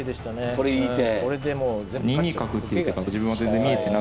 これいい手。